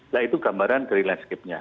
nah itu gambaran dari landscape nya